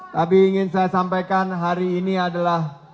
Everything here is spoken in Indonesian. tapi ingin saya sampaikan hari ini adalah